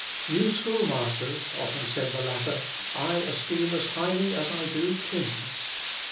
"You schoolmasters," often said the latter, "I esteem as highly as I do kings."